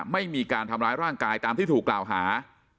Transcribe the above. ไม่มีการทำร้ายร่างกายตามที่ถูกกล่าวหา